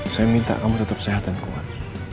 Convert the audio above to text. saya minta kamu tetap sehat dan kuat